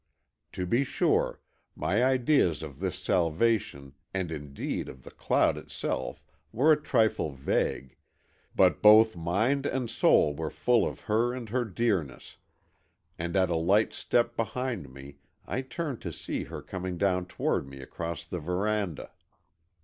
To be sure, my ideas of this salvation and indeed of the cloud itself were a trifle vague, but both mind and soul were full of her and her dearness, and at a light step behind me I turned to see her coming toward me across the verandah.